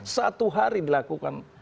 satu hari dilakukan